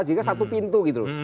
jika satu pintu gitu